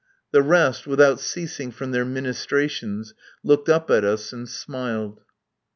The rest, without ceasing from their ministrations, looked up at us and smiled.